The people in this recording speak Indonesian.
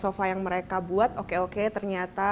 sofa yang mereka buat oke oke ternyata